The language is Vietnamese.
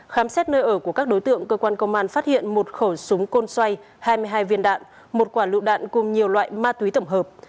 khám xét nơi ở của các đối tượng cơ quan công an phát hiện một khẩu súng côn xoay hai mươi hai viên đạn một quả lựu đạn cùng nhiều loại ma túy tổng hợp